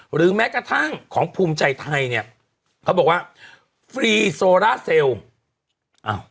หรือแม้กระทั่งของภูมิใจไทยเนี่ยเขาบอกว่าฟรีโซล่าเซลล์อ้าว